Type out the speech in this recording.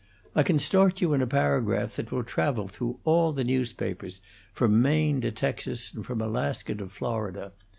I can start you in a paragraph that will travel through all the newspapers, from Maine to Texas and from Alaska to Florida.